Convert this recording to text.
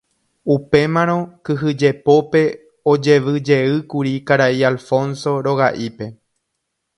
Upémarõ kyhyjepópe ojevyjeýkuri karai Alfonso roga'ípe.